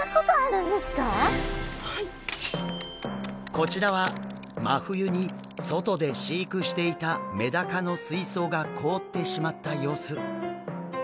こちらは真冬に外で飼育していたメダカの水槽が凍ってしまった様子。